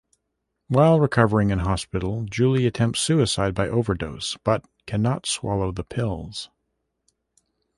While recovering in hospital, Julie attempts suicide by overdose, but cannot swallow the pills.